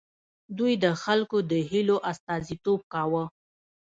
دوی د خلکو د هیلو استازیتوب کاوه.